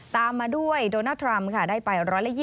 ตามมาด้วยโดนัททรัมป์ค่ะได้ไป๑๒๐